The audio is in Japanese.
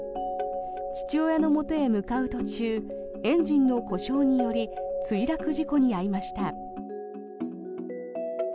父親のもとへ向かう途中エンジンの故障により墜落事故に遭いました。